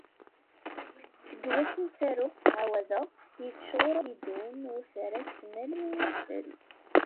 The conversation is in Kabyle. Seg wakken taruɣ ttɛawadeɣ, yeččur ubidun n wafrasen almi yenfel.